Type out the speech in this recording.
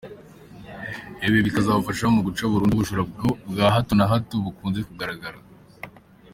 Ibi bikazafasha mu guca burundu ubujura bwa hato na hato bukunze kugaragara.